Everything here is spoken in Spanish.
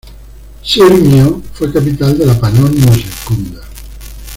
Sirmio fue capital de la "Pannonia Secunda".